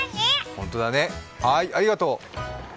ほんとだね、はーい、ありがとう。